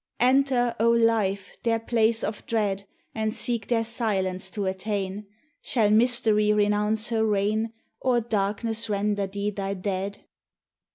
Enter, O Life! their place of dread, And seek their silence to attain : Shall Mystery renounce her reign, Or darkness render thee thy dead?